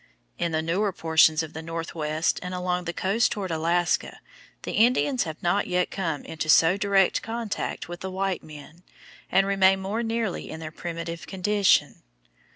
In the newer portions of the Northwest and along the coast toward Alaska the Indians have not yet come into so direct contact with the white men, and remain more nearly in their primitive condition.